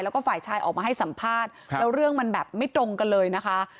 แล้วก็ฝ่ายชายออกมาให้สัมภาษณ์แล้วเรื่องมันแบบไม่ตรงกันเลยนะคะ